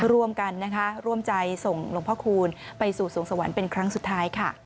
ร่วมกันนะคะร่วมใจส่งหลวงพ่อคูณไปสู่สวงสวรรค์เป็นครั้งสุดท้ายค่ะ